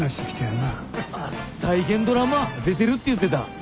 あっ再現ドラマ出てるって言ってた。